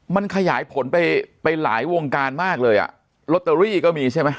มันขยายผลไปไปหลายวงการมากเลยอ่ะลอตเตอรี่ก็มีใช่ไหม